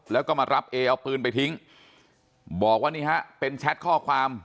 แล้วก็มารับเอเอาปืนไปทิ้งบอกว่านี่ฮะเป็นแชทข้อความ